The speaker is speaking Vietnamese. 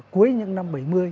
cuối những năm bảy mươi